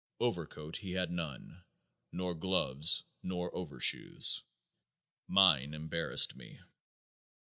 Overcoat he had none. Nor gloves, nor overshoes. Mine embarrassed me.